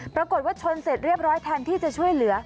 ปรากฏว่าชนเสร็จเรียบร้อยแทนที่จะช่วยเหลือ